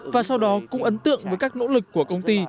và sau đó cũng ấn tượng với các nỗ lực của công ty